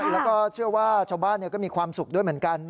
แล้วก็เชื่อว่าชาวบ้านก็มีความสุขด้วยเหมือนกัน